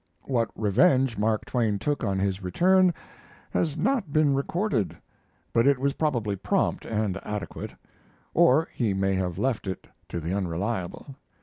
What revenge Mark Twain took on his return has not been recorded, but it was probably prompt and adequate; or he may have left it to The Unreliable.